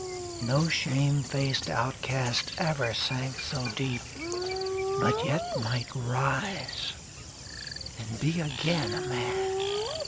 No shame faced outcast ever sank so deep, But yet might rise and be again a man